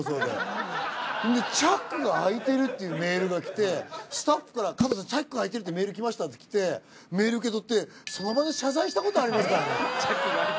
でチャックが開いてるっていうメールが来てスタッフから「加藤さんチャック開いてるってメール来ました」って来てメール受け取ってその場で謝罪したことありますからね。